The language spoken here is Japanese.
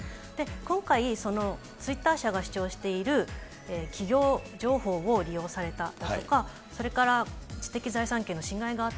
今回、ツイッター社が主張している、企業情報を利用されただとか、それから知的財産権の侵害があった。